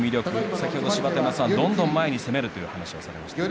先ほど芝田山さん、どんどん前に攻めるという話をしました。